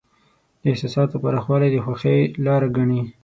د احساساتو پراخوالی د خوښۍ لاره ګڼي.